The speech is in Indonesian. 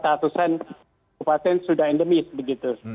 kabupaten sudah endemis begitu